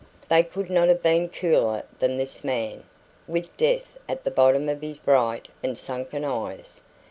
They could not have been cooler than this young man, with death at the bottom of his bright and sunken eyes.